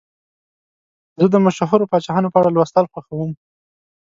زه د مشهورو پاچاهانو په اړه لوستل خوښوم.